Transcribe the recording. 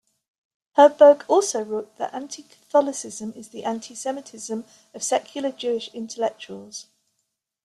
Herberg also wrote that anti-Catholicism is the antisemitism of secular Jewish intellectuals.